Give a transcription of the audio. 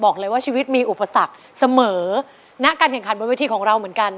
บอกเลยว่าชีวิตมีอุปสรรคเสมอณการแข่งขันบนเวทีของเราเหมือนกัน